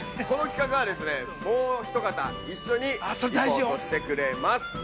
この企画はですね、もうひと方、一緒にリポートしてくれます。